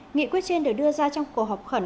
nghị quyết trên được đưa ra trong cuộc họp khẩn